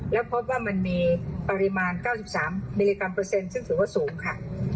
แล้วพบว่ามันมีปริมาณ๙๓มิลลิกรัมเปอร์เซ็นต์ซึ่งถือว่าสูงค่ะ